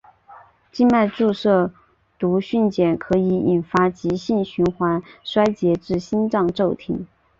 静脉注射毒蕈碱可以引发急性循环衰竭至心脏骤停。